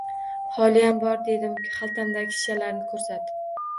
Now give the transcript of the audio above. — Ho‘liyam bor, — dedim xaltamdagi shishalarni ko‘rsatib.